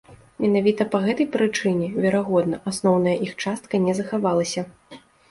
Менавіта па гэтай прычыне, верагодна, асноўная іх частка не захавалася.